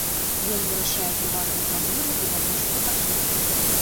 Ён вырашае прыватную праблему будаўніцтва катлоў.